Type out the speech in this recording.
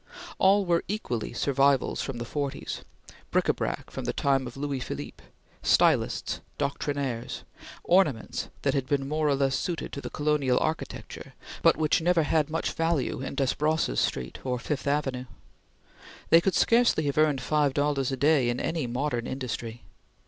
All were equally survivals from the forties bric a brac from the time of Louis Philippe; stylists; doctrinaires; ornaments that had been more or less suited to the colonial architecture, but which never had much value in Desbrosses Street or Fifth Avenue. They could scarcely have earned five dollars a day in any modern industry.